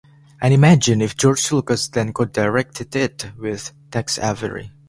And imagine if George Lucas then codirected it with Tex Avery.